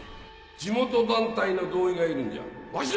地元団体の同意がいるんじゃわし